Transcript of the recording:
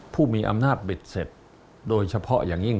ผู้มีอำนาจเบ็ดเสร็จโดยเฉพาะอย่างยิ่ง